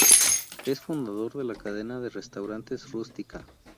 Es fundador de la cadena de restaurantes "Rústica".